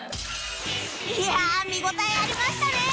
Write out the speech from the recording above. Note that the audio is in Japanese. いや見応えありましたね！